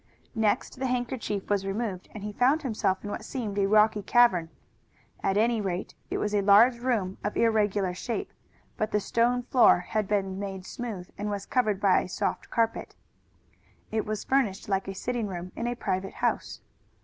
Next the handkerchief was removed and he found himself in what seemed a rocky cavern. At any rate it was a large room of irregular shape, but the stone floor had been made smooth and was covered by a soft carpet. It was furnished like a sitting room in a private house.